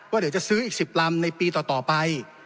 เดี๋ยวจะซื้ออีก๑๐ลำในปีต่อไป